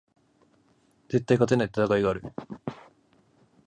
絶対に勝てない戦いがある